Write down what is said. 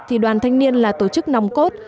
thì đoàn thanh niên là tổ chức nòng cốt